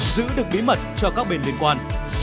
giữ được bí mật cho các bên liên quan